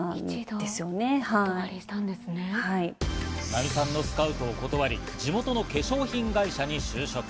奈美さんのスカウトを断り、地元の化粧品会社に就職。